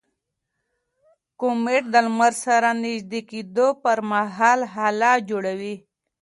کومیټ د لمر سره نژدې کېدو پر مهال هاله جوړوي.